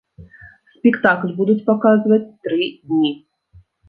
Спектакль будуць паказваць тры дні.